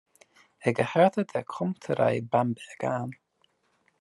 Er gehörte der Komturei Bamberg an.